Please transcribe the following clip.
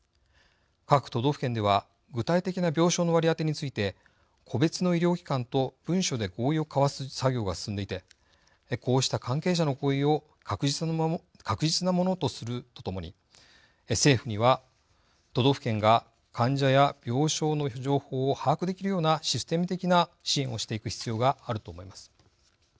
各都道府県では具体的な病床の割り当てについて個別の医療機関と文書で合意を交わす作業が進んでいてこうした関係者の合意を確実なものとするとともに政府には、都道府県が患者や病床の情報を把握できるようなシステム的な支援をしていく必要があると思います。